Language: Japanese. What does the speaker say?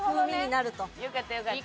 よかったよかった。